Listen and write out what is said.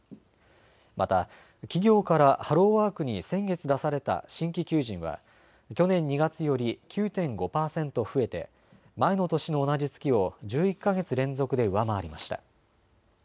また企業からハローワークに先月、出された新規求人は去年２月より９．５％増えて前の年の同じ月を１１か月連続で上回りました。